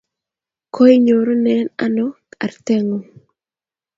Koinyorune ano artet ng'ung'?